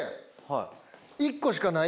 はい。